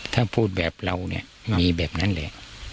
ถ้าพูดแบบเราเนี่ยมีแบบนั้นเลย